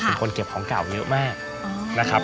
เป็นคนเก็บของเก่าเยอะมากนะครับ